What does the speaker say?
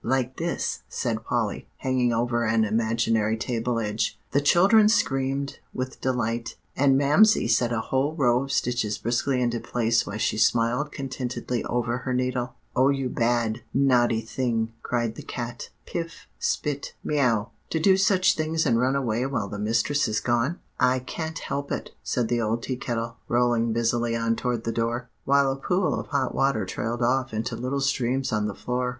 Like this," said Polly, hanging over an imaginary table edge. The children screamed with delight, and Mamsie set a whole row of stitches briskly into place while she smiled contentedly over her needle. "'Oh you bad, naughty thing!' cried the cat; 'Phif spit meow! to do such things and run away while the mistress is gone.' "'I can't help it,' said the old Tea Kettle, rolling busily on toward the door, while a pool of hot water trailed off into little streams on the floor.